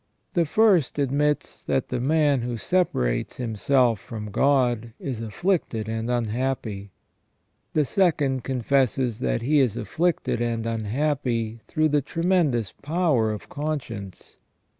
The first admits that the man who separates himself from God is afflicted and unhappy ; the second confesses that he is afflicted and unhappy through the tremen dous power of conscience.